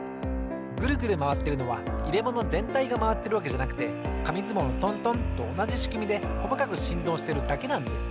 グルグルまわってるのはいれものぜんたいがまわってるわけじゃなくてかみずもうのトントンとおなじしくみでこまかくしんどうしてるだけなんです。